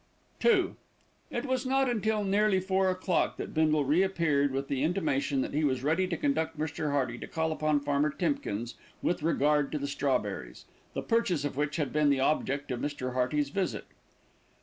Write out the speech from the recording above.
II It was not until nearly four o'clock that Bindle re appeared with the intimation that he was ready to conduct Mr. Hearty to call upon Farmer Timkins with regard to the strawberries, the purchase of which had been the object of Mr. Hearty's visit.